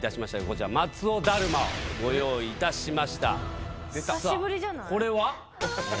こちら松尾だるまをご用意いたしましたこれは？え